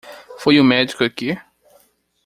Foi o médico aqui?